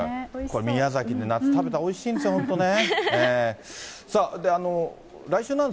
これ、宮崎で夏食べたらおいしいんですよ、本当ね。